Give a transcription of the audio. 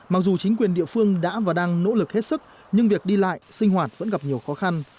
mặc dù chính quyền địa phương đã và đang nỗ lực hết sức nhưng việc đi lại sinh hoạt vẫn gặp nhiều khó khăn